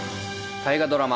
大河ドラマ